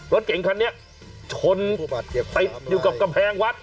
รถเก่งคันนี้ชนติดอยู่กับกำแพงวัด